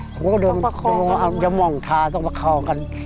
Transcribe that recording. หนูผมก็เดินไปอย่ามองท้าต้องระครองกัน